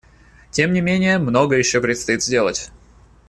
Тем не менее, многое еще предстоит сделать.